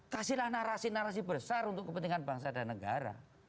kasihlah narasi narasi besar untuk kepentingan bangsa dan negara